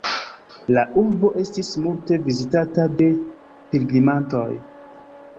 La urbo estis multe vizitata de pilgrimantoj.